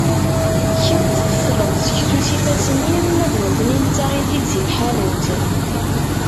Kemm tfetleḍ seksu s yiffasen-im, ma d nekni nettaɣ-it-id si tḥanut.